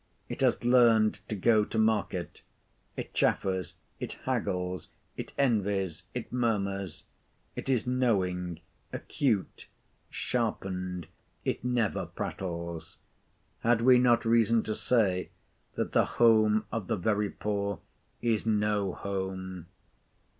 It has learned to go to market; it chaffers, it haggles, it envies, it murmurs; it is knowing, acute, sharpened; it never prattles. Had we not reason to say, that the home of the very poor is no home?